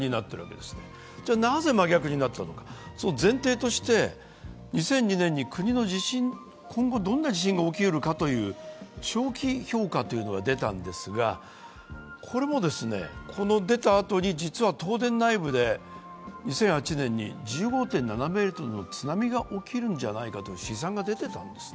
では、なぜ真逆になってしまうのかその前提として２００２年に国の、今後どんな地震が起きるかという長期評価というのが出たんですが、これも、出たあとに実は東京電力内部で２００８年に１５．７ｍの津波が起きるんじゃないかと試算が出ていたんです。